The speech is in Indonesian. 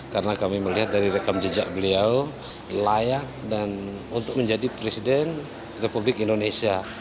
karena kami melihat dari rekam jejak beliau layak untuk menjadi presiden republik indonesia